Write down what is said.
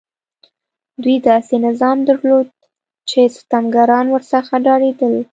دوی داسې نظام درلود چې ستمګران ورڅخه ډارېدل.